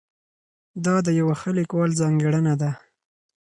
دا د یوه ښه لیکوال ځانګړنه ده.